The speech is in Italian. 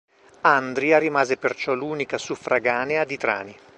Andria rimase perciò l'unica suffraganea di Trani.